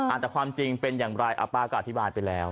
อาจจะความจริงเป็นอย่างไรป้าก็อธิบายไปแล้ว